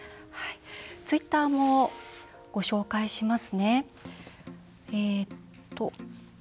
ツイッターもご紹介しますね。